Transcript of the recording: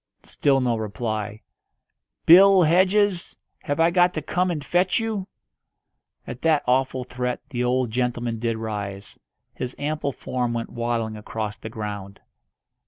Still no reply. "Bill Hedges, have I got to come and fetch you?" At that awful threat the old gentleman did rise. His ample form went waddling across the ground.